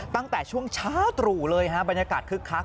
ตั้งแต่ช่วงเช้าตรู่เลยฮะบรรยากาศคึกคัก